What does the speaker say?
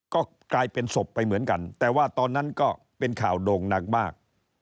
ก็กลายเป็นศพไปเหมือนกันแต่ว่าตอนนั้นก็เป็นข่าวโด่งหนักมาก